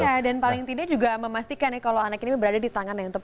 iya dan paling tidak juga memastikan ya kalau anak ini berada di tangan yang tepat